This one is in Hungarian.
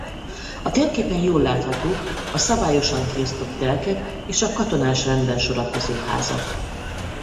A térképen jól láthatók a szabályosan kiosztott telkek és a katonás renben sorakozó házak.